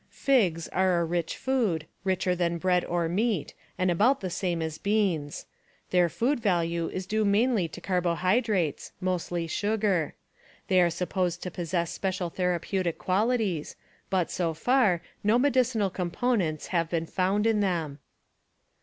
Figs are a rich food, richer than bread or meat, and about the same as beans. Their food value is due mainly to carbohydrates (mostly sugar). They are supposed to possess special therapeutic qualities, but, so far, no medicinal components have been found in them.